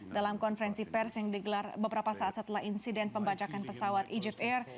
dalam konferensi pers yang digelar beberapa saat setelah insiden pembajakan pesawat egger air